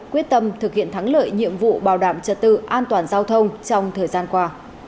quyết tâm thực hiện thắng lợi nhiệm vụ bảo đảm trật tự an toàn giao thông trong thời gian qua